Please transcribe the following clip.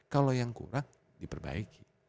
kalau yang kurang diperbaiki